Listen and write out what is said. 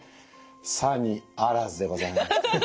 さにあらずでございまして。